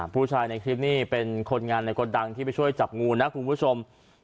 ผู้ชายในคลิปนี้เป็นคนงานในกระดังที่ไปช่วยจับงูนะคุณผู้ชม